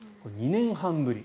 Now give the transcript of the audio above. ２年半ぶり。